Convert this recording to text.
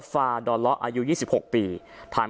พระเจ้าอาวาสกันหน่อยนะครับ